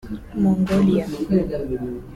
Mongolia